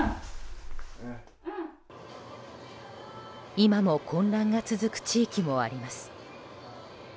今も混乱が続く地域もあります。